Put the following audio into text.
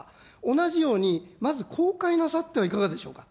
同じように、まず、公開なさってはいかがでしょうか。